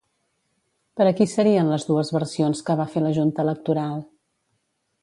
Per a qui serien les dues versions que va fer la junta electoral?